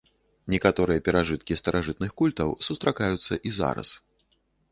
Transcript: Некаторыя перажыткі старажытных культаў сустракаюцца і зараз.